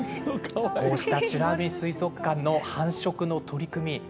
こうした美ら海水族館の繁殖の取り組み